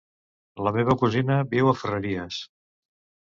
La meva cosina viu a Ferreries.